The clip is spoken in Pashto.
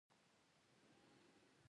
تیمورشاه له دوی څخه غوښتي دي.